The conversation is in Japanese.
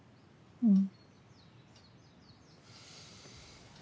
うん。